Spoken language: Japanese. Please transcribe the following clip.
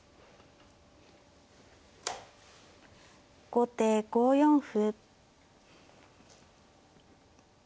後手５四歩。